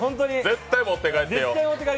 絶対持って帰ってよ。